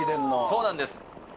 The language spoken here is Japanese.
そうなんです。